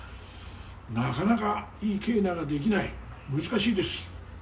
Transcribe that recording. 「なかなかいいケーナができない」「難しいです」